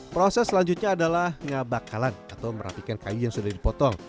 proses selanjutnya adalah ngabakalan atau merapikan kayu yang sudah dipotong